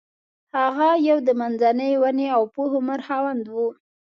هغه یو د منځني ونې او پوخ عمر خاوند و.